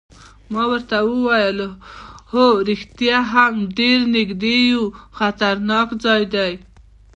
ما ورته وویل: هو رښتیا هم ډېر نږدې یو، خطرناک ځای دی.